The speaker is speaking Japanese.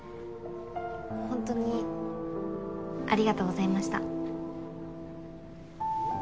ほんとにありがとうございました。